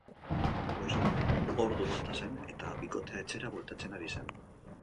Goizeko ordu bata zen eta bikotea etxera bueltatzen ari zen.